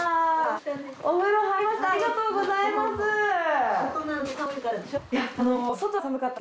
お風呂入りました。